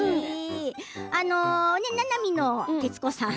ななみの徹子さん